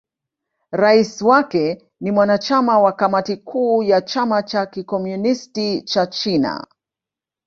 Rais wake ni mwanachama wa Kamati Kuu ya Chama cha Kikomunisti cha China.